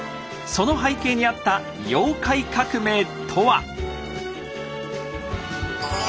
その背景にあった「妖怪革命」とは！